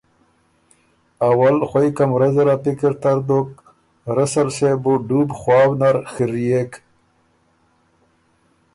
اول خوئ کمرۀ زر ا پکِر تر دوک، رسل صېب بُو ډوب خواؤ نر خِريېک،